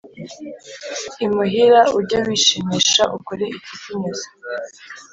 Imuhira, ujye wishimisha ukore ikikunyuze,